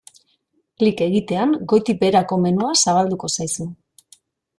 Klik egitean goitik-beherako menua zabalduko zaizu.